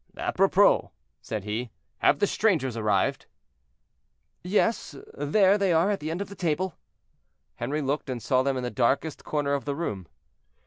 "Apropos!" said he, "have the strangers arrived?" "Yes, there they are at the end of the table." Henri looked and saw them in the darkest corner of the room.